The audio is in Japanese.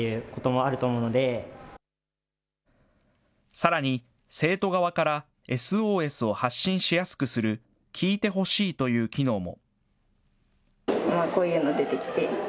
さらに、生徒側からＳＯＳを発信しやすくする聞いてほしいという機能も。